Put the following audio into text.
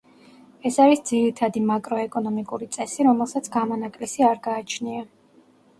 ეს არის ძირითადი მაკროეკონომიკური წესი, რომელსაც გამონაკლისი არ გააჩნია.